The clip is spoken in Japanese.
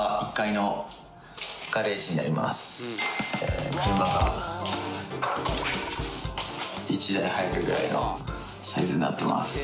車が１台入るぐらいのサイズになってます。